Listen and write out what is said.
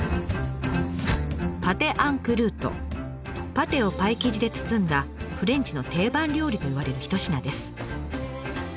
パテをパイ生地で包んだフレンチの定番料理といわれる一品です。